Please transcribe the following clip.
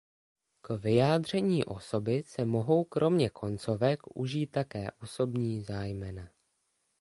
K vyjádření osoby se mohou kromě koncovek užít také osobní zájmena.